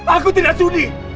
aku tidak sudi